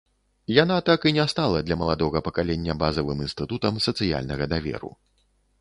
Яна так і не стала для маладога пакалення базавым інстытутам сацыяльнага даверу.